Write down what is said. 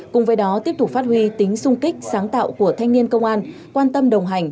cùng với đó tiếp tục phát huy tính sung kích sáng tạo của thanh niên công an quan tâm đồng hành